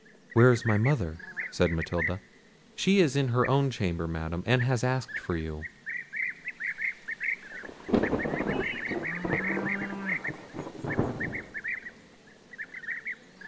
"Where is my mother?" said Matilda. "She is in her own chamber, Madam, and has asked for you."